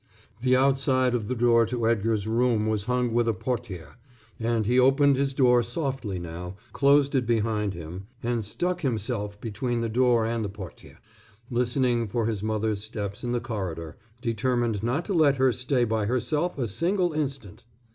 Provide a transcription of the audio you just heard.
The outside of the door to Edgar's room was hung with a portière, and he opened his door softly now, closed it behind him, and stuck himself between the door and the portière, listening for his mother's steps in the corridor, determined not to let her stay by herself a single instant.